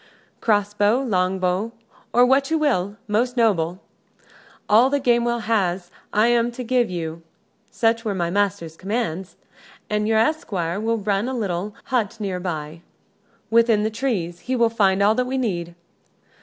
"Cross bow, longbow, or what you will, most noble. All that Gamewell has I am to give you. Such were my master's commands. An your esquire will run to the little hut near by, within the trees, he will find all that we need."